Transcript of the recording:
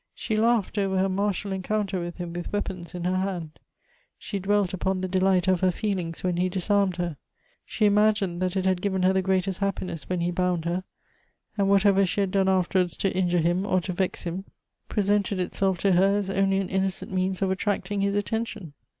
She laughed over her martial encounter with him with weapons in her hand; she dwelt upon the delight of her feelings when he disarmed her. Slie imagined that it had given her the greatest happiness when he bound her ; and whatever she had done after wards to injure him, or to vex him, presented itself to Elective Affinities. 255 her as only an innocent means of attracting his attention.